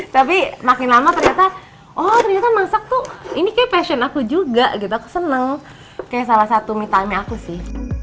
tapi makin lama ternyata oh ternyata masak tuh ini kayak passion aku juga gitu aku seneng kayak salah satu me time aku sih